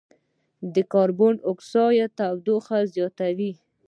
د کاربن ډای اکسایډ تودوخه زیاتوي.